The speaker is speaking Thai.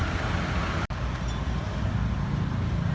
พร้อมต่ำยาว